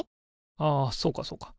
ああそうかそうか。